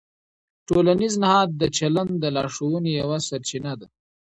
ټولنیز نهاد د چلند د لارښوونې یوه سرچینه ده.